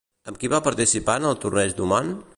Amb qui va participar en el Torneig d'Oman?